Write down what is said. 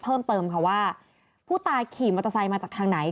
เพิ่มเติมค่ะว่าผู้ตายขี่มอเตอร์ไซค์มาจากทางไหน